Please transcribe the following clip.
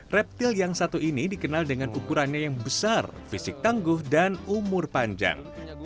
reptil yang satu ini dikenal dengan ukurannya yang besar fisik tangguh dan umur panjang